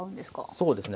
そうですね